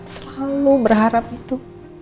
selalu berharap itu